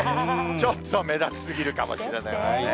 ちょっと目立ちすぎるかもしれな着てって。